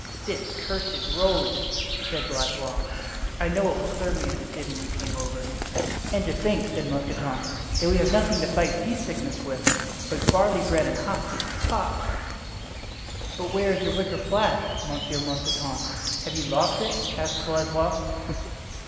"This cursed rolling!" said Blaisois. "I know it will serve me as it did when we came over." "And to think," said Mousqueton, "that we have nothing to fight seasickness with but barley bread and hop beer. Pah!" "But where is your wicker flask, Monsieur Mousqueton? Have you lost it?" asked Blaisois.